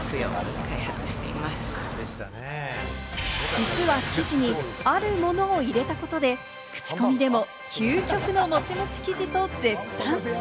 実は生地にあるものを入れたことで、クチコミでも究極のモチモチ生地と絶賛。